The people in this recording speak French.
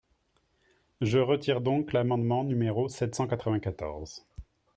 Je retire donc l’amendement numéro sept cent quatre-vingt-quatorze.